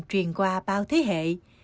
truyền qua bao thế hệ